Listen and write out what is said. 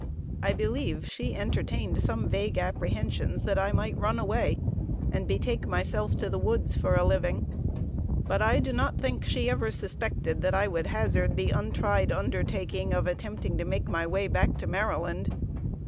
I believe she entertained some vague apprehensions that I might run away, and betake myself to the woods for a living, but I do not think she ever suspected that I would hazard the untried undertaking of attempting to make my way back to Maryland.